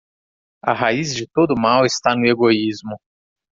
A raiz de todo mal está no egoísmo